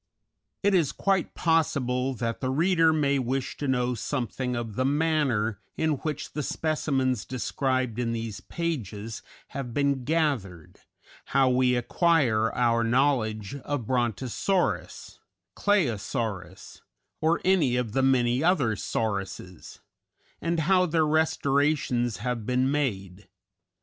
_" It is quite possible that the reader may wish to know something of the manner in which the specimens described in these pages have been gathered, how we acquire our knowledge of Brontosaurus, Claosaurus, or any of the many other "sauruses," and how their restorations have been made.